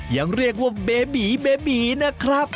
ยังเรียกว่าเบบีเบบีนะครับ